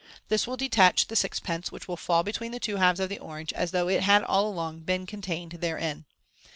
This will detach the sixpence, which will fall between the two halves of the orange, as though it had all along been contained therein.